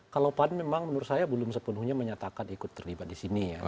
kalau pan memang menurut saya belum sepenuhnya menyatakan ikut terlibat di sini ya